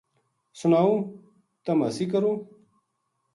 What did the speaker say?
سنائوں ! تم ہسی کیوں